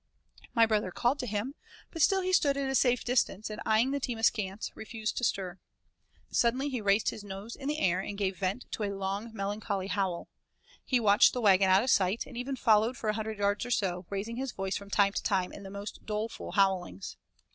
My brother called to him, but still he stood at a safe distance, and eyeing the team askance, refused to stir. Suddenly he raised his nose in the air and gave vent to a long, melancholy howl. He watched the wagon out of sight, and even followed for a hundred yards or so, raising his voice from time to time in the most doleful howlings.